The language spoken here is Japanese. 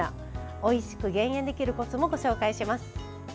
おいしく減塩できるコツもご紹介します。